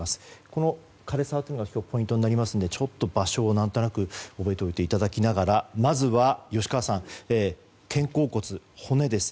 この枯れ沢というのがポイントになりますのでちょっと場所を何となく覚えておいていただきながら、まずは吉川さん肩甲骨の骨です。